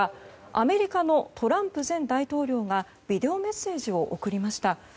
アメリカのトランプ前大統領がビデオメッセージを送りました。